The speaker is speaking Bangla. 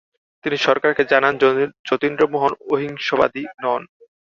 তিনি সরকারকে জানান যতীন্দ্রমোহন অহিংসবাদী নন।